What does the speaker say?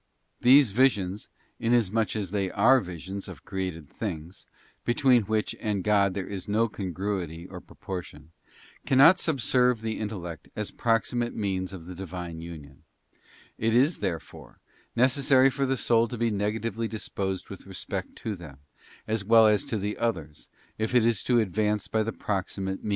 These visions, inasmuch as they are visions of created things, between which and God there is no congruity or proportion, cannot subserve the intellect as proximate means of the Divine union. It is, therefore, necessary for the soul to be negatively disposed with respect to them, as well as to the others, if it is to advance by the proximate means, * 8. Matt. iv.8; vide S. Thom. 3, p. q. 41,a.